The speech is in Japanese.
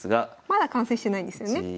まだ完成してないんですよね？